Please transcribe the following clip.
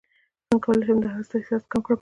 څنګه کولی شم د حسد احساس کم کړم